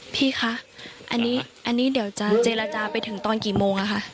พี่คะอันนี้เดี๋ยวจะเจรจาไปถึงตอนกี่โมงนะคะ